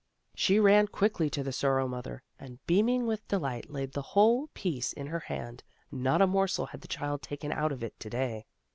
She ran quickly to the Sorrow mother, and beam ing with delight laid the whole piece in her hand; not a morsel had the child taken out of it to day.